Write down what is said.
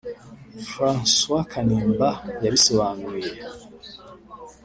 Francois Kanimba yabisobanuye